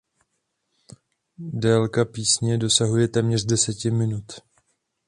Délka písně dosahuje téměř deseti minut.